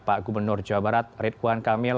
pak gubernur jawa barat ridwan kamil